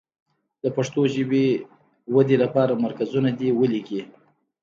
د پښتو ژبې ودې لپاره مرکزونه دې ولیکي.